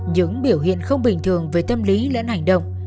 những biểu hiện không bình thường về tâm lý lẫn hành động